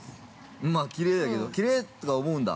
◆まあ、きれいだけどきれいとか思うんだ。